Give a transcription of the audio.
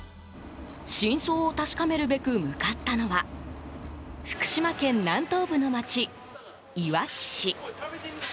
真相を確かめるべく向かったのは福島県南東部の街、いわき市。